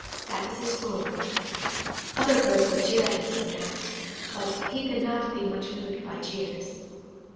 That was his rule. Other birds would jeer at him sometimes, but he could not be much moved by jeers.